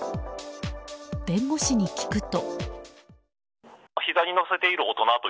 弁護士に聞くと。